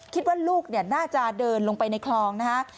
คิดว่าลูกน่าจะเดินลงไปในคลองนะฮะ